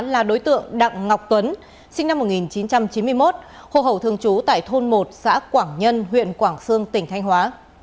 là đối tượng đặng ngọc tuấn sinh năm một nghìn chín trăm chín mươi một hồ hậu thường trú tại thôn một xã quảng nhân huyện quảng sương tỉnh thanh hóa